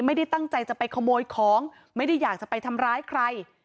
ไม่ได้ตั้งใจจะไปขโมยของไม่ได้อยากจะไปทำร้ายใคร